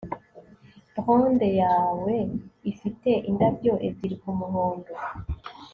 Blonde yawe ifite indabyo ebyiri kumuhogo